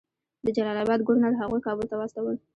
د جلال آباد ګورنر هغوی کابل ته واستول.